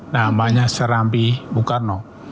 namanya serambi bung karno